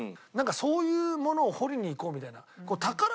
なんかそういうものを掘りに行こうみたいな。